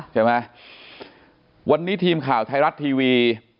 ใช่ไหมวันนี้ทีมข่าวไทยรัฐทีวี